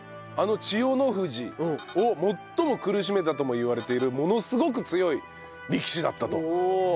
あの千代の富士を最も苦しめたともいわれているものすごく強い力士だったと。